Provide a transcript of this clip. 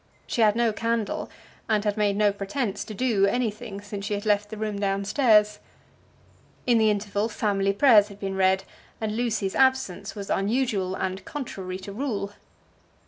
She had no candle, and had made no pretence to do anything since she had left the room down stairs. In the interval family prayers had been read, and Lucy's absence was unusual and contrary to rule.